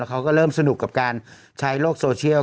เขาก็เริ่มสนุกกับการใช้โลกโซเชียล